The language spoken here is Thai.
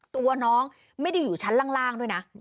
ตัวน้องไม่ได้อยู่ชั้นล่างด้วยนะ